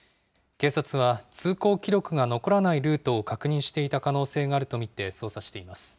警察は、通行記録が残らないルートを確認していた可能性があると見て捜査しています。